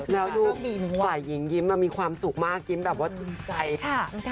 แล้วดูฝ่ายหญิงยิ้มมีความสุขมากยิ้มแบบว่าจริงใจค่ะ